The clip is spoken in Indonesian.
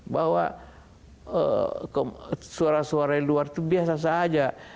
bahwa suara suara luar itu biasa saja